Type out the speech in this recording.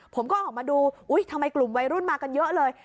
ผมก็ออกมาดูอุ๊ยทำไมกลุ่มวัยรุ่นมากันเยอะเลย